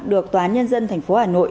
được tòa nhân dân tp hà nội